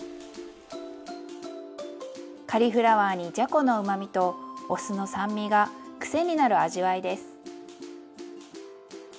カリフラワーにじゃこのうまみとお酢の酸味が癖になる味わいです。